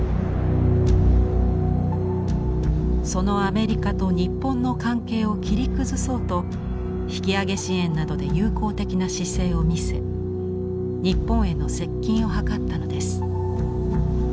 そのアメリカと日本の関係を切り崩そうと引き揚げ支援などで友好的な姿勢を見せ日本への接近を図ったのです。